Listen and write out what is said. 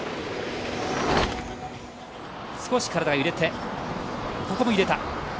少し体が揺れてここも揺れた。